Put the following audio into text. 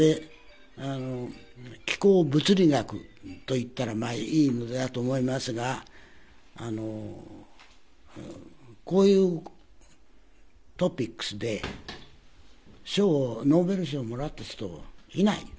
気候物理学といったらいいのだと思いますが、こういうトピックスで賞を、ノーベル賞をもらった人はいない。